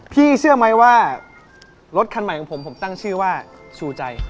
เชื่อไหมว่ารถคันใหม่ของผมผมตั้งชื่อว่าชูใจ